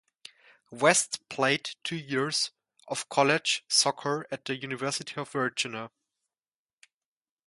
West played two years of college soccer at the University of Virginia.